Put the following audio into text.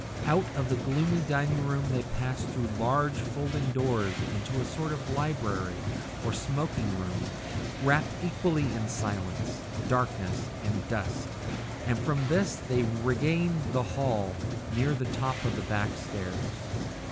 Out of the gloomy dining room they passed through large folding doors into a sort of library or smoking room, wrapt equally in silence, darkness, and dust; and from this they regained the hall near the top of the back stairs.